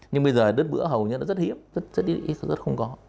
nhưng bây giờ đứt bữa hầu như nó rất hiếp rất không có